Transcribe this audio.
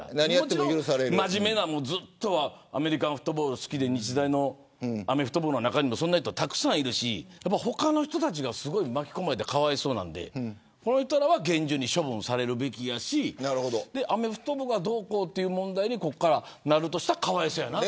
もちろん真面目にずっとアメフトが好きで日大のアメフト部の中でもそんな人は、たくさんいるし他の人が巻き込まれてかわいそうなんでこの人らは厳重に処分されるべきだしアメフト部がどうこうという問題にこれからなるとしたらかわいそうだと。